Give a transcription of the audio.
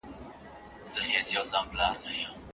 چې په هر يوه هنر کې را ايسار دی